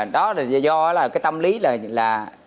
đó là do là cái tâm lý là là